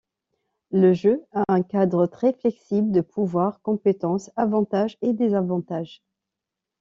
Le jeu a un cadre très flexible de pouvoirs, compétences, avantages et désavantages.